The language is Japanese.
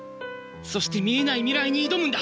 そして見えない未来に挑むんだ！